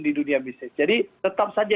di dunia bisnis jadi tetap saja